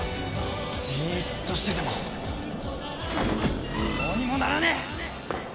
ジーッとしててもどうにもならねえ！